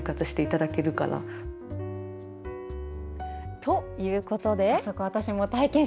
ということで。